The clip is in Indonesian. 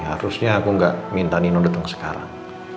harusnya aku nggak minta nino datang sekarang